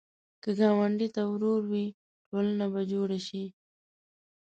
که ګاونډي ته ورور وې، ټولنه به جوړه شي